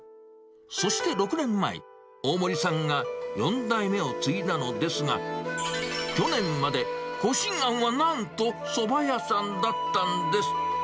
そして６年前、大森さんが４代目を継いだのですが、去年まで小進庵はなんと、そば屋さんだったんです。